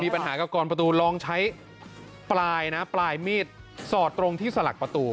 ปัญหากับกรประตูลองใช้ปลายนะปลายมีดสอดตรงที่สลักประตู